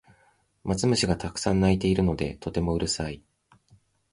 マツムシがたくさん鳴いているのでとてもうるさい